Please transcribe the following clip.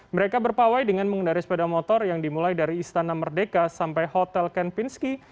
mereka berpawai dengan mengendari sepeda motor yang dimulai dari istana merdeka sampai hotel kenpinski